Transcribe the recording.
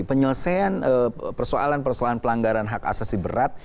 penyelesaian persoalan persoalan pelanggaran hak asasi berat